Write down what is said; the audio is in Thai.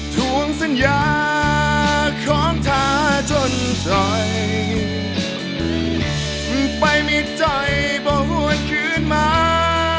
ถวงสัญญาของท่าจนจ่อยไปมีใจบ่วนคืนมา